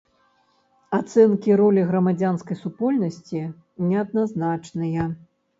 Ацэнкі ролі грамадзянскай супольнасці неадназначныя.